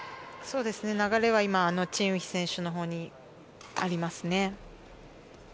流れは今チン・ウヒ選手のほうにありますね。